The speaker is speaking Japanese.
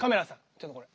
ちょっとこれ。